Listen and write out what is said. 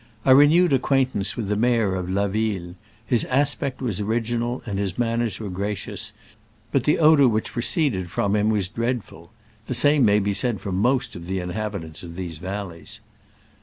I renewed acquaintance with the mayor of La Ville. His aspect was original and his manners were gracious, but the odor which proceeded from him was dreadful. The same may be said of most of the inhabitants of these valleys.